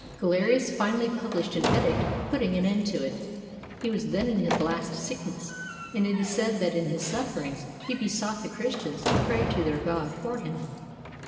Galerius fin ally published an edict putting an end to it. He was then in his last sickness, and it is said that in his suffer ings he besought the Christians to pray to their God for him.